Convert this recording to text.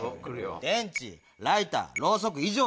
電池ライターろうそく以上や。